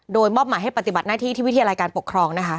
โดยมอบหมายให้ปฏิบัติหน้าที่ที่วิทยาลัยการปกครองนะคะ